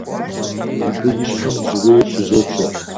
Абы и щхьэм жьыуейр щызопщэ.